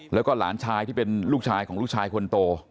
แล้วก็หลานชายที่เป็นลูกชายของลูกชายคนโต